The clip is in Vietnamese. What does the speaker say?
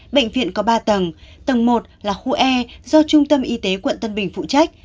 bệnh viện có ba tầng tầng một là khu e do trung tâm y tế quận tân bình phụ trách